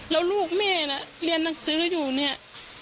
แล้วลูกแม่น่ะเรียนหนังสืออยู่เนี่ย